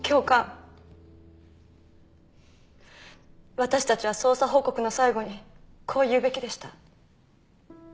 私たちは捜査報告の最後にこう言うべきでした。